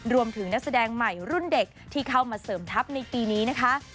รวมถึงนักแสดงใหม่รุ่นเด็กที่เข้ามาเสริมทัพในปีนี้นะคะ